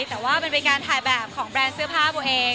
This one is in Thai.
แต่ว่ามันเป็นการถ่ายแบบของแบรนด์เสื้อผ้าตัวเอง